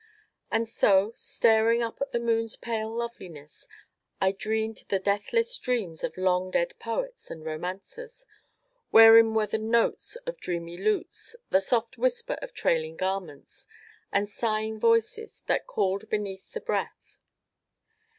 And so, staring up at the moon's pale loveliness, I dreamed the deathless dreams of long dead poets and romancers, wherein were the notes of dreamy lutes, the soft whisper of trailing garments, and sighing voices that called beneath the breath.